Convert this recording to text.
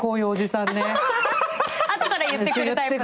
後から言ってくるタイプの。